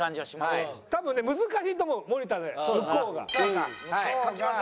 多分ね難しいと思う森田で向こうが。